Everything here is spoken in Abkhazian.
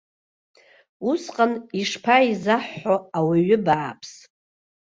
Усҟан ишԥаизаҳҳәо ауаҩы бааԥс?